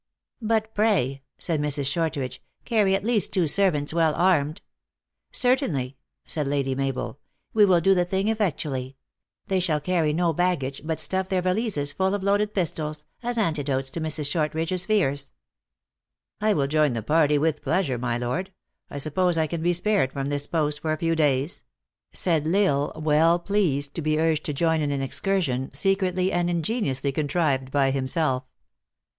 " But pray," said Mrs. Shortridge, " carry at least two servants, well armed." " Certainly," said Lady Mabel ;" we will do the thing effectually. They shall carry no baggage, but stuff their valises full of loaded pistols, as antidotes to Mrs. Shortridge s fears." " I will join the party with pleasure, my lord. I suppose I can be spared from this post for a few days ?" said L Isle, well pleased to be urged to join in an excursion, secretly and ingeniously contrived by himself.